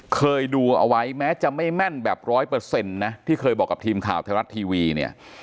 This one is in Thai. เคยดูเอาไว้แม้จะไม่แม่นแบบร้อยเปอร์เซ็นต์นะที่เคยบอกกับทีมข่าวไทยรัฐทีวีเนี่ย